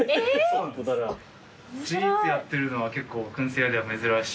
スイーツやってるのは結構燻製屋では珍しい。